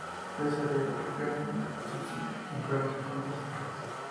Fue desarrollado por Pioneer y Matsushita, en colaboración con otras empresas.